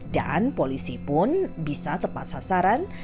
dan polisi pun bisa tepat sasaran